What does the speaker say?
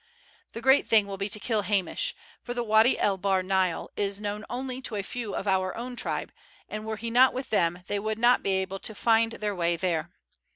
The great thing will be to kill Hamish, for the Wady El Bahr Nile is known only to a few of our own tribe, and were he not with them they would not be able to find their way there.